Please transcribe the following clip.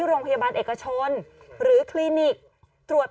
กล้องกว้างอย่างเดียว